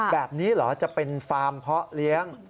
แบบนี้เหรอจะเป็นฟาร์มเพาะเลี้ยง